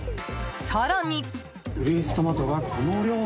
更に。